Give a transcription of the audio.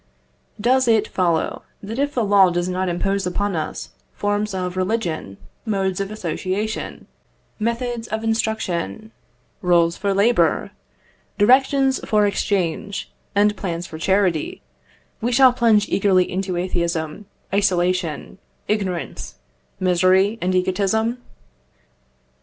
Does it follow, that if the law does not impose upon us forms of religion, modes of association, methods of instruction, rules for labour, directions for exchange, and plans for charity, we shall plunge eagerly into atheism, isolation, ignorance, misery, and egotism?